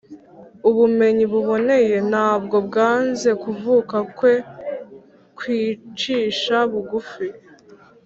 ubumenyi buboneye ntabwo bwanze kuvuka kwe kwicisha bugufi,